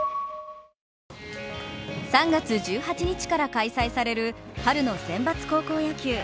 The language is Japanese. ３月１８日から開催される春の選抜高校野球。